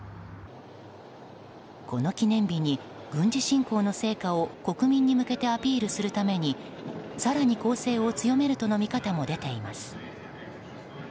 この記念日に軍事侵攻の成果を国民に向けてアピールするために更に攻勢を強めるとの見方も出ています。